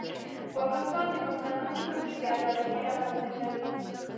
پاکستان د پښتنو سیمه کې بې عدالتي رامنځته کوي.